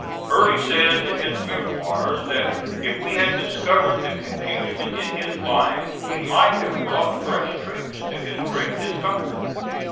Early says in his Memoirs that if we had discovered the confusion in his lines we might have brought fresh troops to his great discomfort.